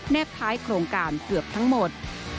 ท้ายโครงการเกือบทั้งหมด